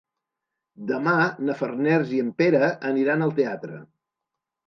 Demà na Farners i en Pere aniran al teatre.